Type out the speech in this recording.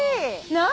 何？